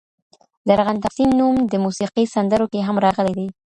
د ارغنداب سیند نوم د موسیقۍ سندرو کې هم راغلی دی.